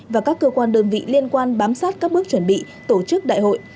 và các cơ quan đơn vị liên quan bám sát các bước chuẩn bị tổ chức đại hội